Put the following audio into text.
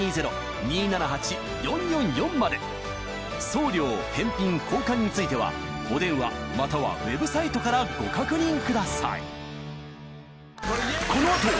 送料返品交換についてはお電話またはウェブサイトからご確認ください